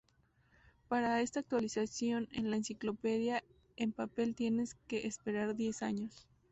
Para esta actualización en la enciclopedia en papel tienes que esperar diez años.